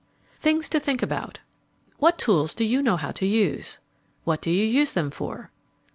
THINGS TO THINK ABOUT What tools do you know how to use? What do you use them for?